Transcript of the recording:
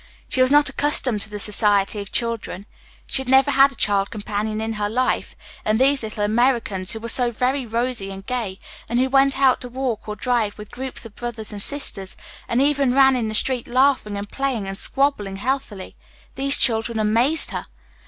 She was not accustomed to the society of children. She had never had a child companion in her life, and these little Americans, who were so very rosy and gay, and who went out to walk or drive with groups of brothers and sisters, and even ran in the street, laughing and playing and squabbling healthily these children amazed her.